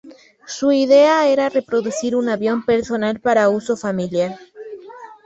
Su idea era producir un avión personal para uso familiar.